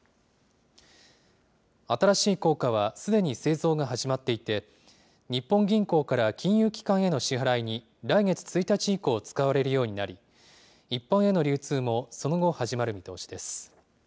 新しい硬貨は、すでに製造が始まっていて、日本銀行から金融機関への支払いに、来月１日以降、使われるようになり、一般への流通も、その後、始まる見通しです。